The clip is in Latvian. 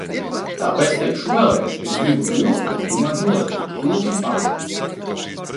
Tāpēc teikšu vēlreiz, es gribu to, ko tu man nozagi, tūliņ pat!